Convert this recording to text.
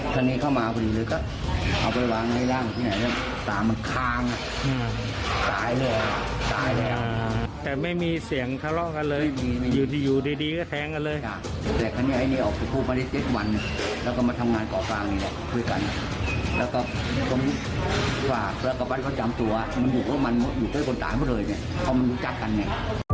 คุยกันแล้วก็ฝากพระกบันทร์เขาจำตัวมันอยู่บนตามเลยเขามันรู้จักกันไง